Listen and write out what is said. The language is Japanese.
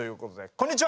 こんにちは。